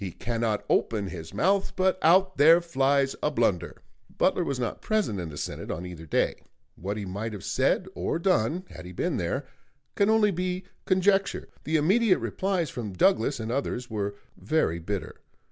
He cannot open his mouth but out there flies a blunder. [Illustration: CHARLES SUMNER.] Butler was not present in the Senate on either day; what he might have said or done, had he been there, can only be conjectured. The immediate replies from Douglas and others were very bitter.